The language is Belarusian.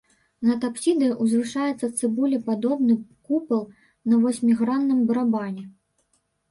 Над апсідай узвышаецца цыбулепадобны купал на васьмігранным барабане.